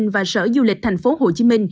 và sở du lịch tp hcm